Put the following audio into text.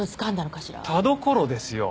田所ですよ！